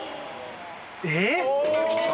えっ！？